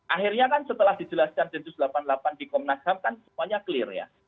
akhirnya kan setelah dijelaskan densus delapan puluh delapan di komnas ham kan semuanya clear ya